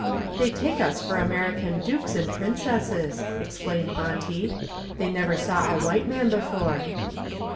"They take us for American dukes and princesses," explained Monty. "They never saw a white man before."